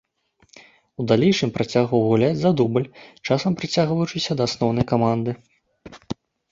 У далейшым працягваў гуляць за дубль, часам прыцягваючыся да асноўнай каманды.